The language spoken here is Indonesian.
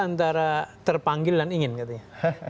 antara terpanggil dan ingin katanya